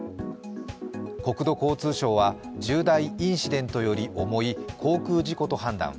国土交通省は重大インシデントより重い航空事故と判断。